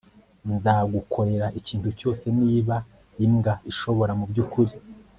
nzagukorera ikintu cyose 'niba imbwa ishobora mubyukuri